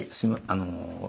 あの。